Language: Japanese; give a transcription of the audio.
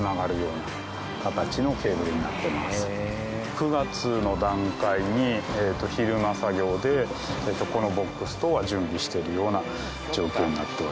９月の段階に昼間作業でこのボックス等は準備しているような状況になっております。